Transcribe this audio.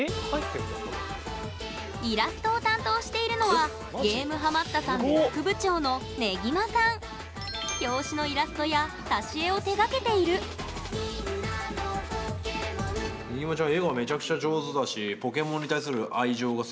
イラストを担当しているのはゲームハマったさんで副部長の表紙のイラストや挿絵を手がけているねぎまちゃん